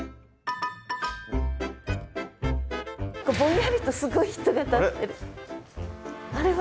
ぼんやりとすごい人が立ってる。